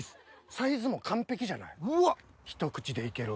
サイズも完璧じゃないひと口で行ける。